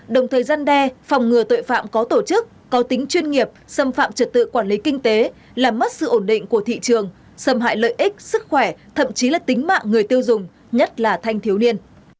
đồng thời gian đe phòng ngừa tội phạm có tổ chức có tính chuyên nghiệp xâm phạm trật tự quản lý kinh tế làm mất sự ổn định của thị trường xâm hại lợi ích sức khỏe thậm chí là tính mạng người tiêu dùng nhất là thanh thiếu niên